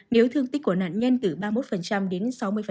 nếu thương tích của nạn nhân từ ba mươi một đến sáu mươi